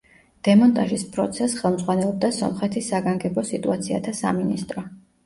დემონტაჟის პროცესს ხელმძღვანელობდა სომხეთის საგანგებო სიტუაციათა სამინისტრო.